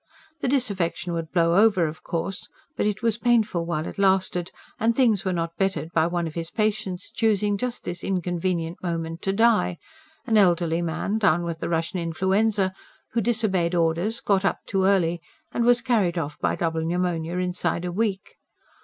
The disaffection would blow over, of course; but it was painful while it lasted; and things were not bettered by one of his patients choosing just this inconvenient moment to die an elderly man, down with the Russian influenza, who disobeyed orders, got up too early and was carried off by double pneumonia inside a week.